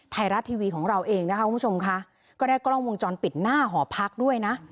ไทยรัฐทีวีของเราเองนะคะคุณผู้ชมค่ะก็ได้กล้องวงจรปิดหน้าหอพักด้วยนะ